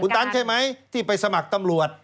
ตันใช่ไหมที่ไปสมัครตำรวจ